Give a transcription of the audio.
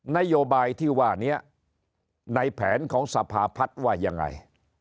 นโยบายที่ว่านี้ในแผนของสภาพัฒน์ว่ายังไง